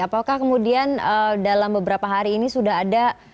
apakah kemudian dalam beberapa hari ini sudah ada di rumah sakit